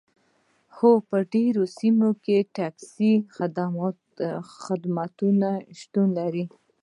هو په ډیرو سیمو کې د ټکسي خدمات شتون لري